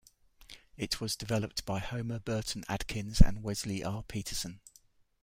It was developed by Homer Burton Adkins and Wesley R. Peterson.